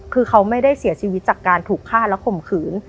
คือเขาไม่ได้เสียชีวิตจากการถูกฆ่าและข่มขืน